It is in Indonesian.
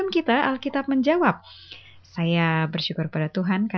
aku akan bahagia bersama tuhan